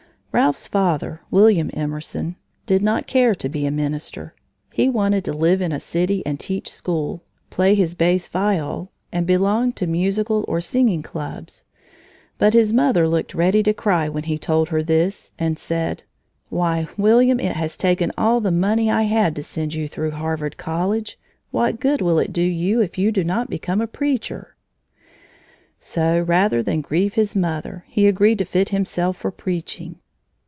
Ralph's father, William Emerson, did not care to be a minister. He wanted to live in a city and teach school, play his bass viol, and belong to musical or singing clubs. But his mother looked ready to cry when he told her this and said: "Why, William, it has taken all the money I had to send you through Harvard College. What good will it do you, if you do not become a preacher?" So, rather than grieve his mother, he agreed to fit himself for preaching.